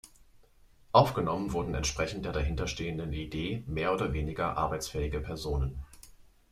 Aufgenommen wurden entsprechend der dahinterstehenden Idee mehr oder weniger arbeitsfähige Personen.